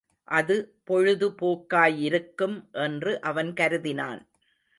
அது பொழுது போக்காயிருக்கும் என்று அவன் கருதினான்.